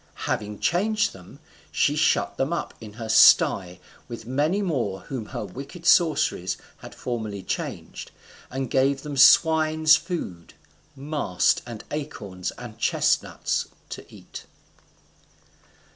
Having changed them, she shut them up in her sty with many more whom her wicked sorceries had formerly changed, and gave them swine's food mast, and acorns, and chestnuts to eat.